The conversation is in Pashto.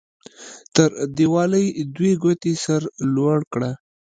تر دیوالۍ دوې ګوتې سر لوړ کړه.